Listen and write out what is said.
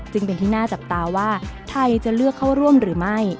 จึงเป็นที่น่าจับตาว่าไทยจะเลือกเข้าร่วมหรือไม่